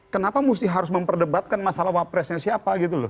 kenapa mesti harus memperdebatkan masalah wapresnya siapa gitu loh